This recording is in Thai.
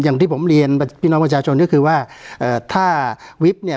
อย่างที่ผมเรียนปีนอ๋อนโบราชชนิวคือว่าเอ่อท่านี่